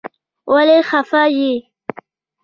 ولې خفه يې.